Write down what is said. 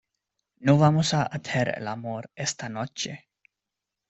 no vamos a hacer el amor esta noche.